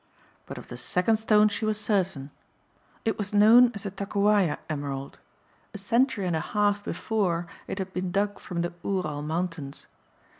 But of the second stone she was certain. It was known as the Takowaja Emerald. A century and a half before it had been dug from the Ural Mountains.